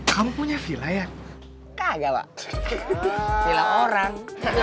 kamu punya villa ya kagak orang orang